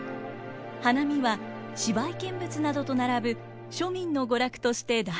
花見は芝居見物などと並ぶ庶民の娯楽として大人気に。